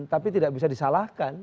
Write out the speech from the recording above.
tapi tidak bisa disalahkan